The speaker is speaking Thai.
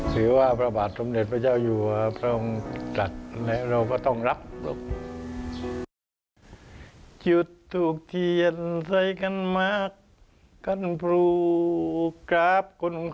ถือว่าพระบาทสมเด็จพระเจ้าอยู่พระองค์จัดและเราก็ต้องรับหรอก